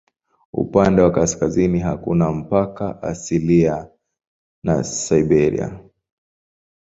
Upande wa kaskazini hakuna mpaka asilia na Siberia.